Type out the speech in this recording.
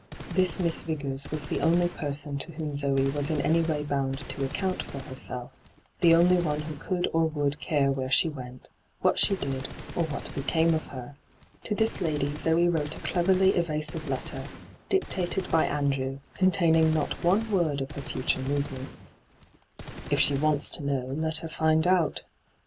This Miss Vigors was the only person to whom Zoe was in any way bound to account for herself, the only one who could or would care where she went, what she did, or what became of her. To this lady Zoe wrote a cleverly evasive letter, dictated by Andrew, hyGoogIc ENTRAPPED 117 containing not one word of her future move ' If she wants to know, let her find out,' he